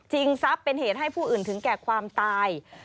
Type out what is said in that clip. ทรัพย์เป็นเหตุให้ผู้อื่นถึงแก่ความตาย